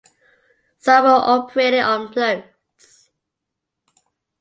Some were operated on floats.